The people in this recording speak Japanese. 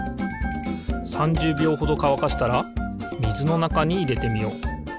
３０びょうほどかわかしたらみずのなかにいれてみよう。